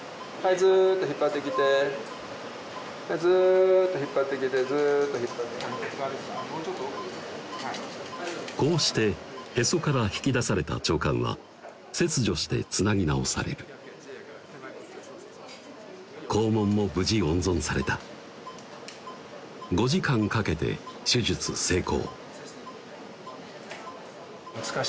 ずっと引っ張ってきてずっと引っ張ってこうしてへそから引き出された腸管は切除してつなぎ直される肛門も無事温存された５時間かけて手術成功